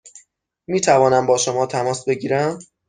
می توانم با شما تماس بگیرم؟